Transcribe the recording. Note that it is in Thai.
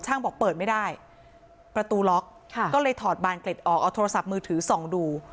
บอกเปิดไม่ได้ประตูล็อกก็เลยถอดบานเกร็ดออกเอาโทรศัพท์มือถือส่องดู